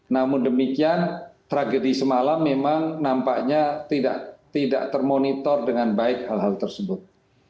namun demikian tragedi semalam memang nampaknya tidak termonitor dengan baik hal hal tersebut